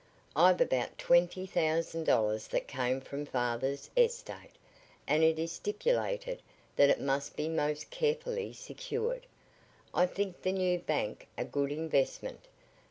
"I've about twenty thousand dollars that came from father's estate, and it is stipulated that it must be most carefully secured. I think the new bank a good investment.